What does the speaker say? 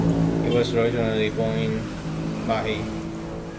He was originally born Ma He.